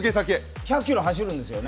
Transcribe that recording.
１００ｋｍ走るんですよね？